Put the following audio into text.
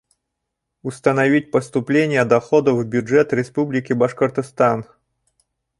Установить поступления доходов в бюджет Республики Башкортостан: